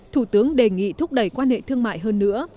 thủ tướng đề nghị thúc đẩy quan hệ thương mại hơn nữa